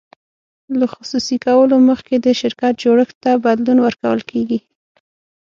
له خصوصي کولو مخکې د شرکت جوړښت ته بدلون ورکول کیږي.